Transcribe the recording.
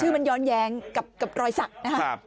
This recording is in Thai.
มันย้อนแย้งกับรอยสักนะครับ